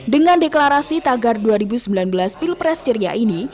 dengan deklarasi tagar dua ribu sembilan belas pilpres ceria ini